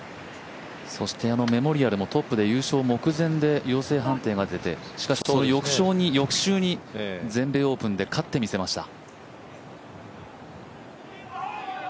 そしてあのメモリアルもトップで優勝目前で陽性判定が出て、翌週に全米オープンで勝ってみせました。